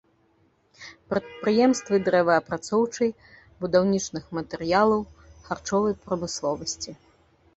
Прадпрыемствы дрэваапрацоўчай, будаўнічых матэрыялаў, харчовай прамысловасці.